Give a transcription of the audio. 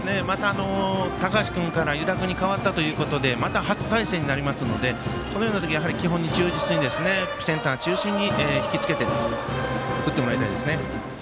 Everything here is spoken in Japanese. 高橋君から湯田君に代わったということでまた初対戦になりますのでこのような時は基本に忠実にセンター中心に引き付けて三振。